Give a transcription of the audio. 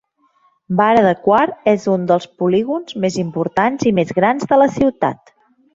Vara de Quart és un dels polígons més importants i més grans de la ciutat.